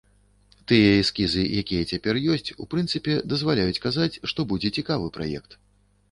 Тыя эскізы, якія цяпер ёсць, у прынцыпе, дазваляюць казаць, што будзе цікавы праект.